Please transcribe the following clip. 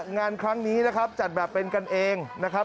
งานครั้งนี้นะครับจัดแบบเป็นกันเองนะครับ